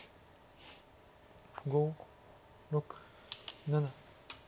５６７。